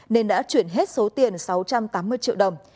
nên đã chuyển hết số tiền sáu trăm tám mươi triệu đồng